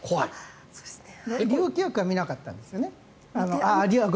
利用明細は見なかったんですよね？